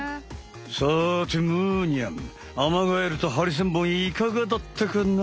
さてむーにゃんアマガエルとハリセンボンいかがだったかな？